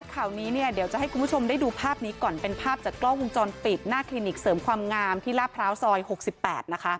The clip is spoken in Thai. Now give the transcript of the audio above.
ข่าวนี้เนี่ยเดี๋ยวจะให้คุณผู้ชมได้ดูภาพนี้ก่อนเป็นภาพจากกล้องวงจรปิดหน้าคลินิกเสริมความงามที่ลาดพร้าวซอย๖๘นะคะ